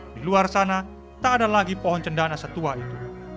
di luar sana tak ada lagi pohon cendana setua itu